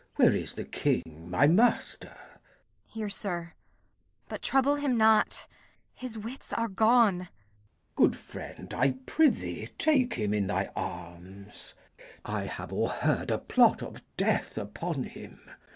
Where is the King my master? Kent. Here, sir; but trouble him not; his wits are gone. Glou. Good friend, I prithee take him in thy arms. I have o'erheard a plot of death upon him.